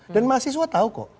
dan mahasiswa tahu kok